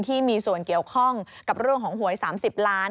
ที่มีส่วนเกี่ยวข้องกับเรื่องของหวย๓๐ล้าน